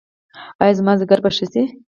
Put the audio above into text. ایا زما ځیګر به ښه شي؟